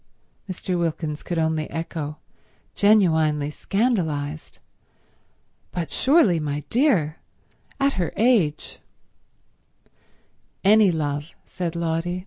"Love?" Mr. Wilkins could only echo, genuinely scandalized. "But surely, my dear—at her age—" "Any love," said Lotty.